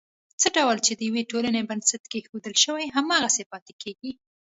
څه ډول چې د یوې ټولنې بنسټ کېښودل شي، هماغسې پاتې کېږي.